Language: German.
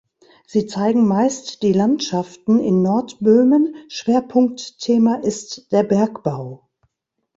Sie zeigen meist die Landschaften in Nordböhmen, Schwerpunktthema ist der Bergbau.